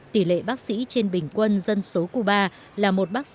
tỷ lệ bác sĩ trên bình quân dân số cuba là một